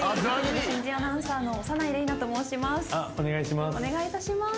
新人アナウンサーの小山内鈴奈と申します。